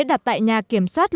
đặt tại nhà